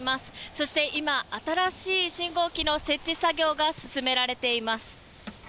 そして今、新しい信号機の設置作業が進められています。